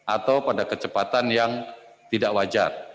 atau pada kecepatan yang tidak wajar